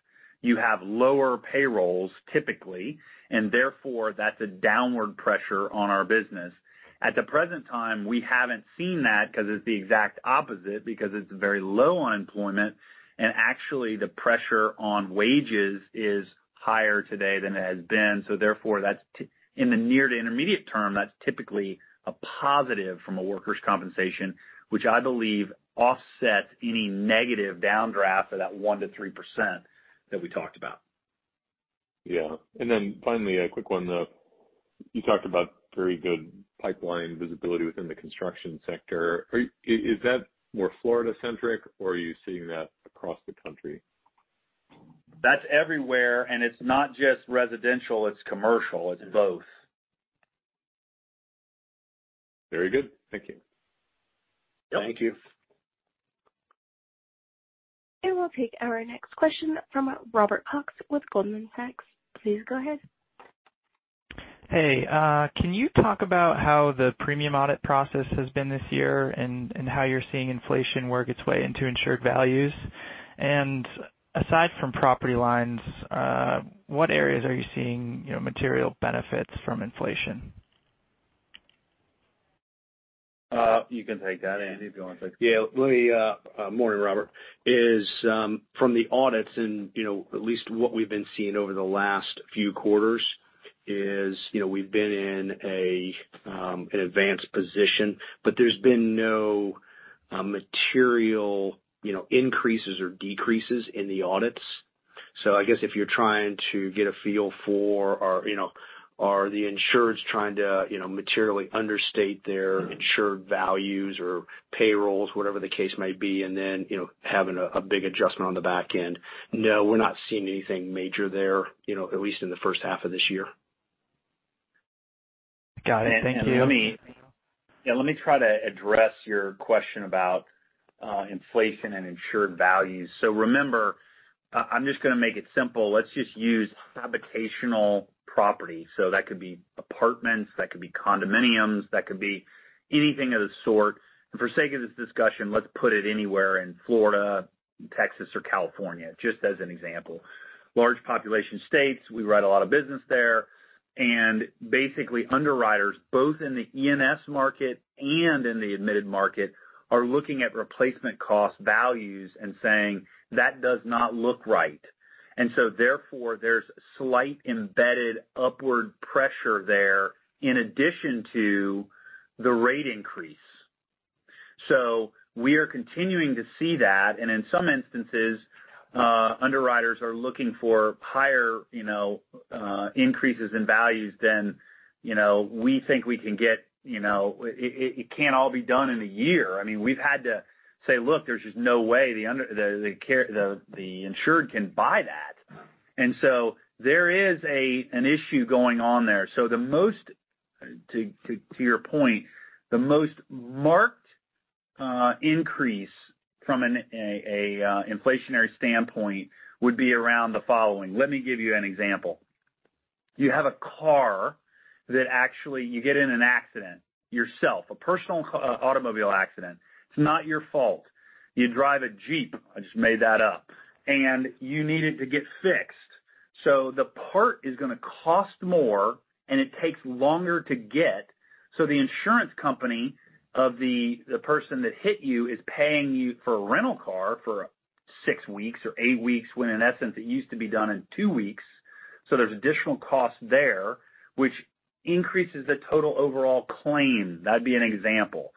you have lower payrolls typically, and therefore that's a downward pressure on our business. At the present time, we haven't seen that because it's the exact opposite, because it's very low unemployment, and actually the pressure on wages is higher today than it has been. Therefore that's in the near to intermediate term, that's typically a positive from a workers' compensation, which I believe offsets any negative downdraft of that 1%-3% that we talked about. Yeah. Finally, a quick one. You talked about very good pipeline visibility within the construction sector. Is that more Florida-centric, or are you seeing that across the country? That's everywhere. It's not just residential, it's commercial, it's both. Very good. Thank you. Thank you. We'll take our next question from Robert Cox with Goldman Sachs. Please go ahead. Hey, can you talk about how the premium audit process has been this year and how you're seeing inflation work its way into insured values? Aside from property lines, what areas are you seeing, you know, material benefits from inflation? You can take that, Andy, if you want to. Yeah. Good morning, Robert. It's from the audits and, you know, at least what we've been seeing over the last few quarters is, you know, we've been in an advanced position, but there's been no material, you know, increases or decreases in the audits. I guess if you're trying to get a feel for, or, you know, are the insurers trying to, you know, materially understate their insured values or payrolls, whatever the case may be, and then, you know, having a big adjustment on the back end. No, we're not seeing anything major there, you know, at least in the first half of this year. Got it. Thank you. Let me try to address your question about inflation and insured values. Remember, I'm just gonna make it simple. Let's just use habitational property. That could be apartments, that could be condominiums, that could be anything of the sort. For sake of this discussion, let's put it anywhere in Florida, Texas, or California, just as an example. Large population states, we write a lot of business there. Basically, underwriters, both in the E&S market and in the admitted market, are looking at replacement cost values and saying, "That does not look right." Therefore, there's slight embedded upward pressure there in addition to the rate increase. We are continuing to see that, and in some instances, underwriters are looking for higher, you know, increases in values than, you know, we think we can get. You know, it can't all be done in a year. I mean, we've had to say, "Look, there's just no way the insured can buy that." There is an issue going on there. To your point, the most marked increase from an inflationary standpoint would be around the following. Let me give you an example. You have a car that actually you get in an accident yourself, a personal automobile accident. It's not your fault. You drive a Jeep, I just made that up, and you need it to get fixed. The part is gonna cost more and it takes longer to get. The insurance company of the person that hit you is paying you for a rental car for six weeks or eight weeks, when in essence it used to be done in two weeks. There's additional cost there, which increases the total overall claim. That'd be an example.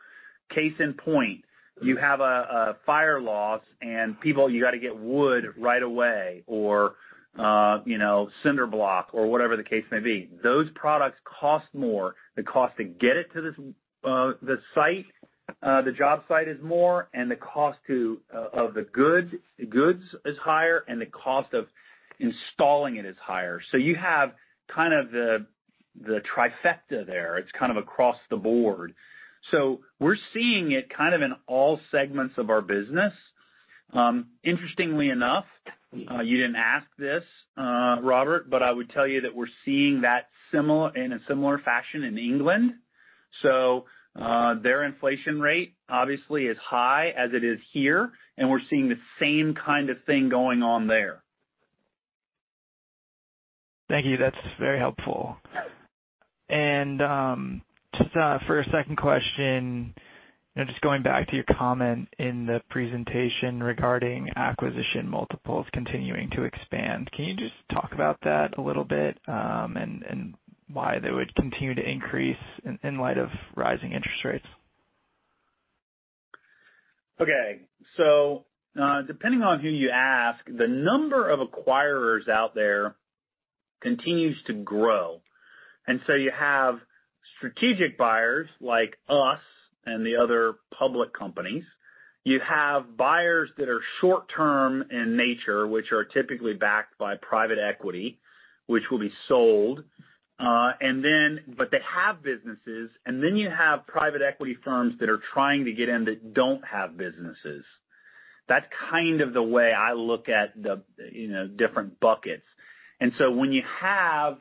Case in point, you have a fire loss and people, you gotta get wood right away or, you know, cinder block or whatever the case may be. Those products cost more. The cost to get it to the site, the job site is more, and the cost of the goods is higher, and the cost of installing it is higher. You have kind of the trifecta there. It's kind of across the board. We're seeing it kind of in all segments of our business. Interestingly enough, you didn't ask this, Robert, but I would tell you that we're seeing that in a similar fashion in England. Their inflation rate obviously is high as it is here, and we're seeing the same kind of thing going on there. Thank you. That's very helpful. Just for a second question, you know, just going back to your comment in the presentation regarding acquisition multiples continuing to expand. Can you just talk about that a little bit, and why they would continue to increase in light of rising interest rates? Okay. Depending on who you ask, the number of acquirers out there continues to grow. You have strategic buyers like us and the other public companies. You have buyers that are short-term in nature, which are typically backed by private equity, which will be sold, but they have businesses. You have private equity firms that are trying to get in that don't have businesses. That's kind of the way I look at the, you know, different buckets. When you have,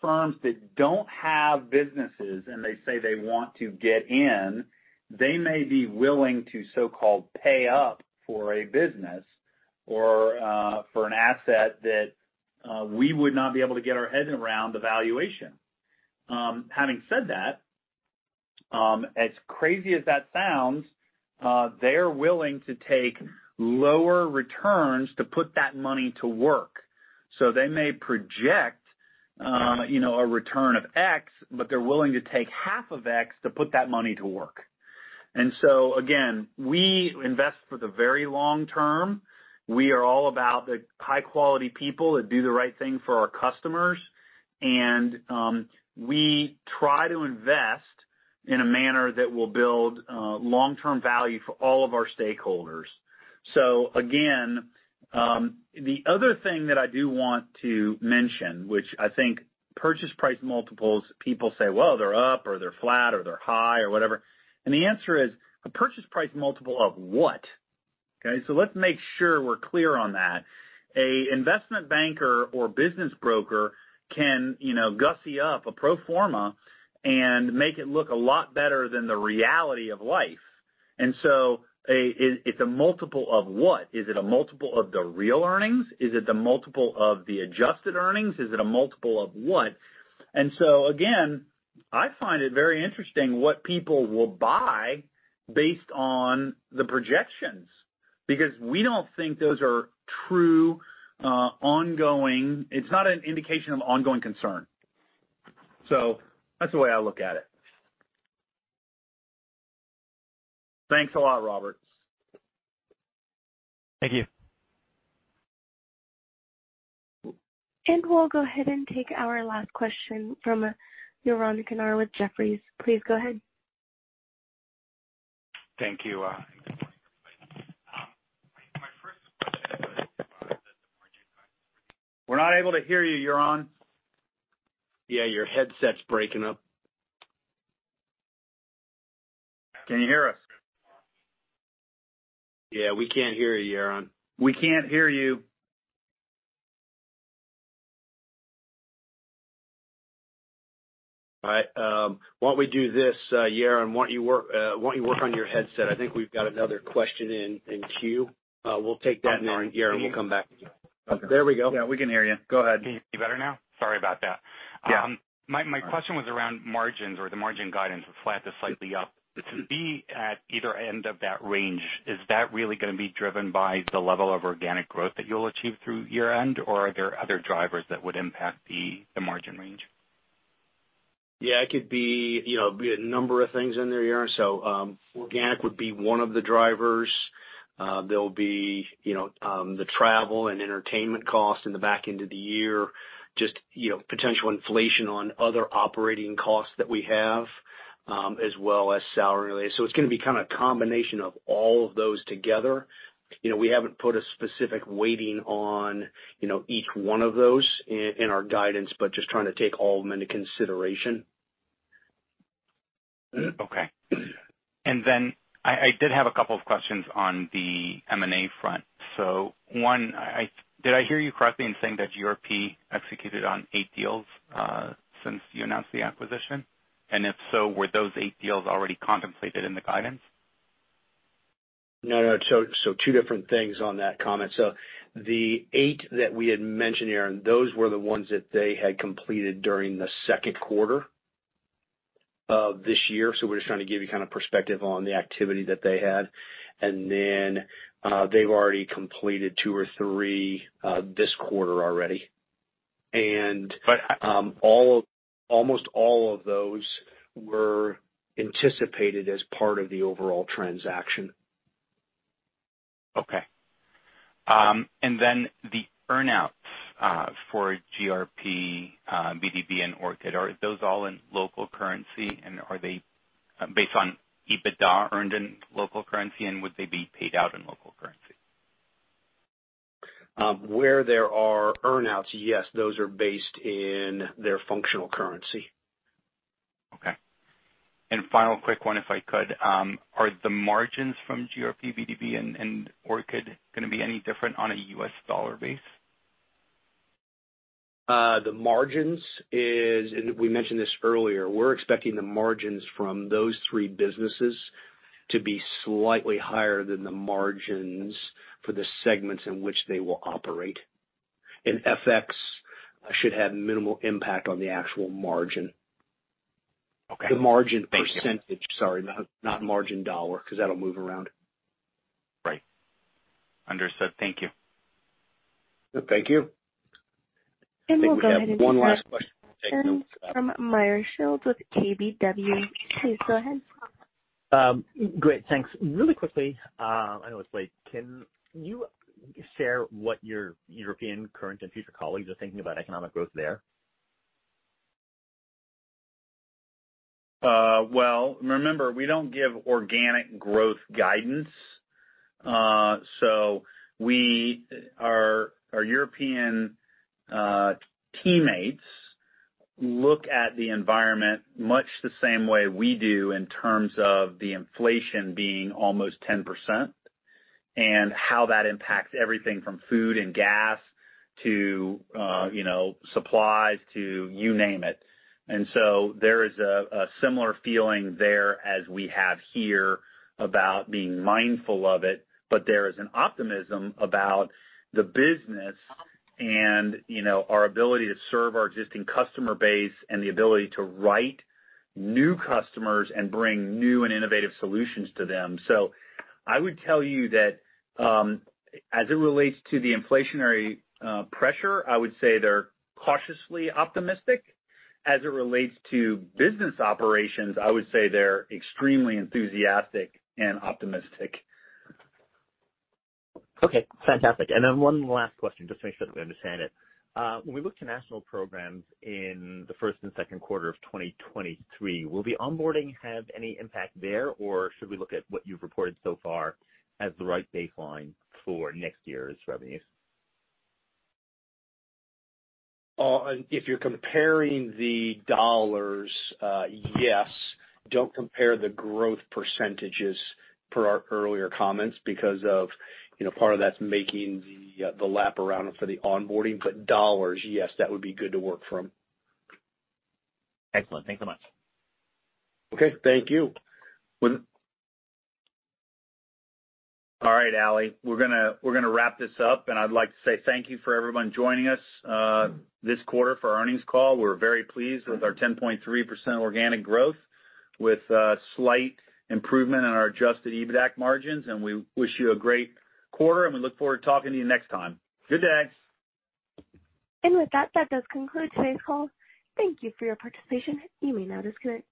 firms that don't have businesses and they say they want to get in, they may be willing to so-called pay up for a business or, for an asset that, we would not be able to get our heads around the valuation. Having said that, as crazy as that sounds, they're willing to take lower returns to put that money to work. They may project, you know, a return of X, but they're willing to take half of X to put that money to work. We invest for the very long term. We are all about the high quality people that do the right thing for our customers. We try to invest in a manner that will build long-term value for all of our stakeholders. Again, the other thing that I do want to mention, which I think purchase price multiples, people say, well, they're up or they're flat or they're high or whatever. The answer is a purchase price multiple of what? Okay. Let's make sure we're clear on that. An investment banker or business broker can, you know, gussy up a pro forma and make it look a lot better than the reality of life. It's a multiple of what? Is it a multiple of the real earnings? Is it the multiple of the adjusted earnings? Is it a multiple of what? I find it very interesting what people will buy based on the projections, because we don't think those are true, ongoing. It's not an indication of ongoing concern. That's the way I look at it. Thanks a lot, Robert. Thank you. We'll go ahead and take our last question from Yaron Kinar with Jefferies. Please go ahead. Thank you, my first question. We're not able to hear you, Yaron. Yeah, your headset's breaking up. Can you hear us? Yeah, we can't hear you, Yaron. We can't hear you. All right. Why don't we do this, Yaron? Why don't you work on your headset? I think we've got another question in queue. We'll take that one, Yaron, we'll come back to you. There we go. Yeah, we can hear you. Go ahead. Can you hear better now? Sorry about that. Yeah. My question was around margins or the margin guidance from flat to slightly up. To be at either end of that range, is that really gonna be driven by the level of organic growth that you'll achieve through year-end, or are there other drivers that would impact the margin range? Yeah, it could be, you know, a number of things in there, Yaron. Organic would be one of the drivers. There'll be, you know, the travel and entertainment cost in the back end of the year, just, you know, potential inflation on other operating costs that we have, as well as salary. It's gonna be kinda a combination of all of those together. You know, we haven't put a specific weighting on, you know, each one of those in our guidance, but just trying to take all of them into consideration. Okay. Then I did have a couple of questions on the M&A front. One, did I hear you correctly in saying that GRP executed on eight deals since you announced the acquisition? If so, were those eight deals already contemplated in the guidance? No, no. Two different things on that comment. The eight that we had mentioned, Yaron, those were the ones that they had completed during the second quarter of this year. We're just trying to give you kind of perspective on the activity that they had. They've already completed two or three, this quarter already. But- Almost all of those were anticipated as part of the overall transaction. Okay. The earn-outs for GRP, BDB and Orchid, are those all in local currency, and are they based on EBITDA earned in local currency, and would they be paid out in local currency? Where there are earn-outs, yes, those are based in their functional currency. Okay. Final quick one, if I could. Are the margins from GRP, BDB and Orchid gonna be any different on a U.S. dollar basis? We mentioned this earlier, we're expecting the margins from those three businesses to be slightly higher than the margins for the segments in which they will operate. FX should have minimal impact on the actual margin. Okay. The margin percentage. Thank you. Sorry, not margin dollar, 'cause that'll move around. Right. Understood. Thank you. Thank you. We'll go ahead and take the next. I think we have one last question we'll take. from Meyer Shields with KBW. Please go ahead. Great, thanks. Really quickly, I know it's late, can you share what your European current and future colleagues are thinking about economic growth there? Well, remember, we don't give organic growth guidance. Our European teammates look at the environment much the same way we do in terms of the inflation being almost 10% and how that impacts everything from food and gas to, you know, supplies to you name it. There is a similar feeling there as we have here about being mindful of it. There is an optimism about the business and, you know, our ability to serve our existing customer base and the ability to write new customers and bring new and innovative solutions to them. I would tell you that, as it relates to the inflationary pressure, I would say they're cautiously optimistic. As it relates to business operations, I would say they're extremely enthusiastic and optimistic. Okay, fantastic. One last question just to make sure that we understand it. When we look to national programs in the first and second quarter of 2023, will the onboarding have any impact there, or should we look at what you've reported so far as the right baseline for next year's revenues? If you're comparing the dollars, yes, don't compare the growth percentages per our earlier comments because of, you know, part of that's making the lap around for the onboarding. But dollars, yes, that would be good to work from. Excellent. Thanks so much. Okay, thank you. All right, Ally, we're gonna wrap this up, and I'd like to say thank you for everyone joining us this quarter for our earnings call. We're very pleased with our 10.3% organic growth with slight improvement in our adjusted EBITDAC margins. We wish you a great quarter, and we look forward to talking to you next time. Good day. With that does conclude today's call. Thank you for your participation. You may now disconnect.